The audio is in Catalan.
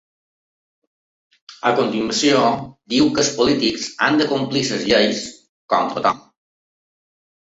A continuació, diu que els polítics han de complir les lleis, ‘com tothom’.